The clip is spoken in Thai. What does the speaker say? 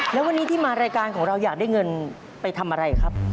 แล้ววันนี้ที่มารายการของเราอยากได้เงินไปทำอะไรครับ